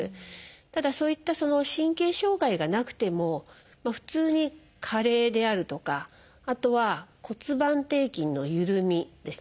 ただそういった神経障害がなくても普通に加齢であるとかあとは骨盤底筋の緩みですね。